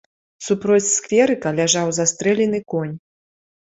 Супроць скверыка ляжаў застрэлены конь.